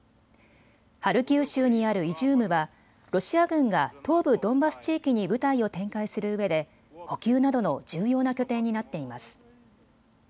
ハルキウ州にあるイジュームはロシア軍が東部ドンバス地域に部隊を展開するうえで補給などの重要な拠点になっています。